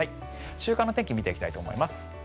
週間の天気見ていきたいと思います。